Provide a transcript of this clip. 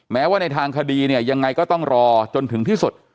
แม้ว่าในทางคดีเนี่ยยังไงก็ต้องรอจนถึงที่สุด